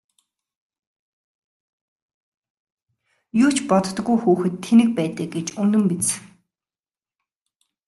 Юу ч боддоггүй хүүхэд тэнэг байдаг гэж үнэн биз!